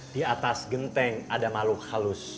di atas genteng ada makhluk halus